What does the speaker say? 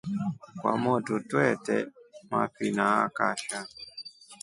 Kwamotru twete mafina akasha.